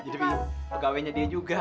jadi pegawainya dia juga gitu